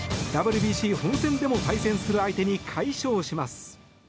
ＷＢＣ本戦でも対戦する相手に快勝します。